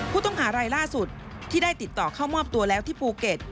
ผู้ต้องหารายล่าสุดที่ได้ติดต่อเข้ามอบตัวแล้วที่ภูเก็ต